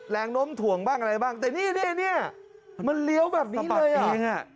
แรงน้มถ่วงบ้างอะไรบ้างแต่นี่มันเลี้ยวแบบนี้เลยอ่ะ